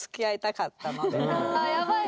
あやばい